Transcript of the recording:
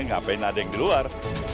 ngapain ada yang di luar